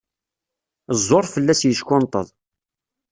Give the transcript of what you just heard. Ẓẓur fell-as yeckunṭeḍ.